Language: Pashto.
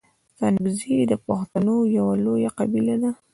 ستانگزي د پښتنو یو لويه قبیله ده.